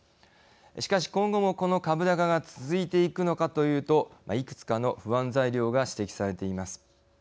しかし今後もこの株高が続いていくのかというといくつかの不安材料が指摘されています。